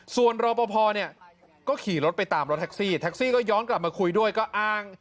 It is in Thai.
ส่วนรอปภเนี่ยก็ขี่รถไปตามรถแท็กซี่แท็กซี่ก็ย้อนกลับมาคุยด้วยก็อ้าง